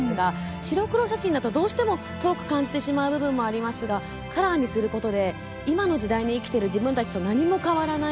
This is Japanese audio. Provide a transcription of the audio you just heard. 白黒写真だとどうしても遠く感じてしまう部分もありますがカラーにすることで今の時代に生きている私たちと何も変わらない。